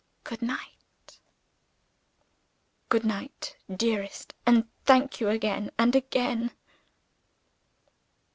Good night." "Good night, dearest and thank you again, and again!"